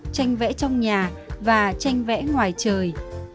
tranh vẽ trong nhà và tranh vẽ ngoài trời